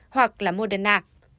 hoặc là moderna